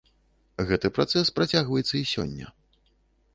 Гэты працэс працягваецца і сёння.